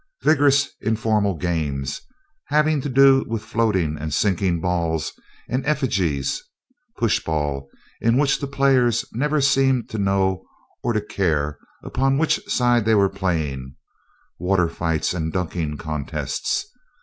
Vigorous informal games, having to do with floating and sinking balls and effigies: pushball, in which the players never seemed to know, or to care, upon which side they were playing; water fights and ducking contests....